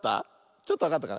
ちょっとわかったかな？